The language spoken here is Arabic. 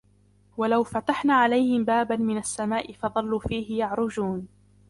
ولو فتحنا عليهم بابا من السماء فظلوا فيه يعرجون